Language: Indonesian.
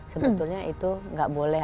sebetulnya itu gak boleh